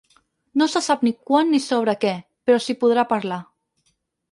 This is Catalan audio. No se sap ni quan ni sobre què, però s’hi podrà parlar.